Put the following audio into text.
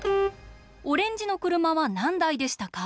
オレンジの車はなんだいでしたか？